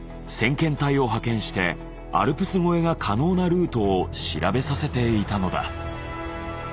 先遣隊を派遣してアルプス越えが可能なルートを調べさせていたのだ。